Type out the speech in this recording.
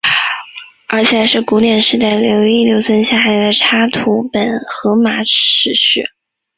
而且还是古典时代唯一留存下来的插图本荷马史诗。